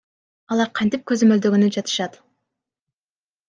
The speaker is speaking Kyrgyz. Алар кантип көзөмөлдөгөнү жатышат?